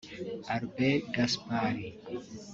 Albert Gasparri